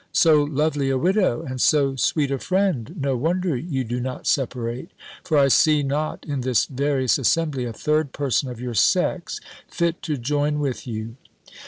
"So lovely a widow, and so sweet a friend! no wonder you do not separate: for I see not in this various assembly a third person of your sex fit to join with you."